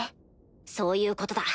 そういうことだ。